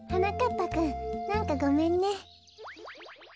ぱくんなんかごめんね。